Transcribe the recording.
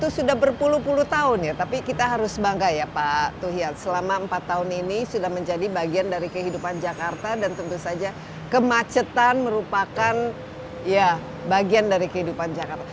sudah empat tahun mrt atau mass rapid transit merupakan bagian dari kehidupan jakarta lebih dari enam puluh juta persen